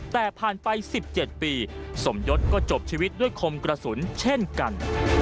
แต่ผ่านไป๑๗ปีสมยศก็จบชีวิตด้วยคมกระสุนเช่นกัน